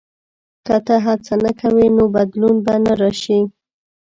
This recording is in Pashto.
• که ته هڅه نه کوې، نو بدلون به نه راشي.